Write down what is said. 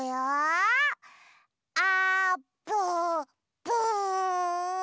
あっぷっぷ！